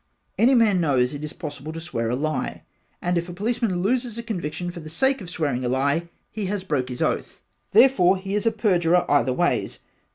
Any man knows it is possible to swear a lie and if a policeman looses a conviction for the sake of swearing a lie he has broke his oath therefore he is a perjurer either ways.